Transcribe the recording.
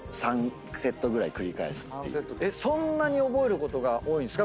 そんなに覚えることが多いんですか？